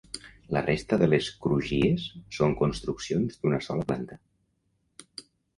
La resta de les crugies són construccions d'una sola planta.